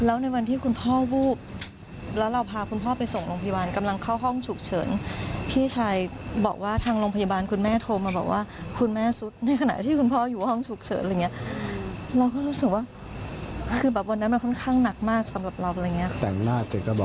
แล้วในวันที่คุณพ่อวูบแล้วเราพาคุณพ่อไปส่งโรงพยาบาลกำลังเข้าห้องฉุกเฉินพี่ชายบอกว่าทางโรงพยาบาลคุณแม่โทรมาบอกว่าคุณแม่สุดในขณะที่คุณพ่ออยู่ห้องฉุกเฉินอะไรอย่างเงี้ยเราก็รู้สึกว่าคือแบบวันนั้นมันค่อนข้างหนักมากสำหรับเราอะไรอย่างนี้ค่ะ